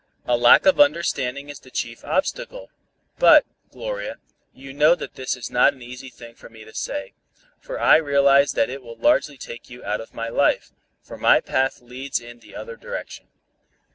A lack of understanding is the chief obstacle, but, Gloria, you know that this is not an easy thing for me to say, for I realize that it will largely take you out of my life, for my path leads in the other direction.